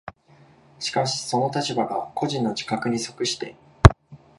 しかしその立場が個人の自覚に即して